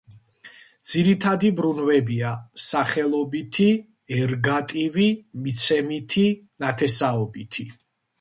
ძირითადი ბრუნვებია სახელობითი, ერგატივი, მიცემითი, ნათესაობითი.